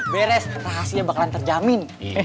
beres rahasinya bakalan terjamin